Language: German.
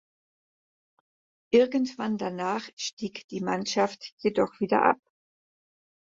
Irgendwann danach stieg die Mannschaft jedoch wieder ab.